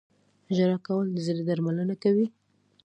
• ژړا کول د زړه درملنه کوي.